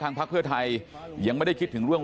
ทางภาคเพื่อไทยยังไม่ได้คิดถึง